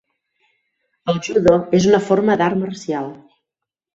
El judo és una forma d'art marcial.